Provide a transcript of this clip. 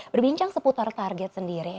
berbincang seputar target sendiri